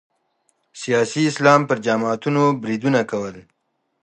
سیاسي اسلام پر جماعتونو بریدونه کول